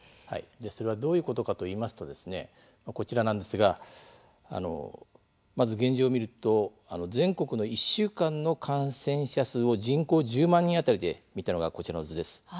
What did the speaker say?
どういうことかといいますと現状を見ると全国の１週間の感染者数を人口１０万人当たりで見たのは、こちらの図です。